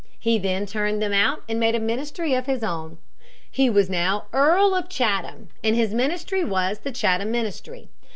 He then turned them out and made a ministry of his own. He was now Earl of Chatham, and his ministry was the Chatham Ministry.